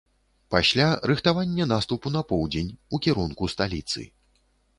Пасля рыхтаванне наступу на поўдзень у кірунку сталіцы.